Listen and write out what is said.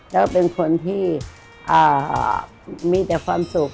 แล้วเป็นคนที่มีแต่ความสุข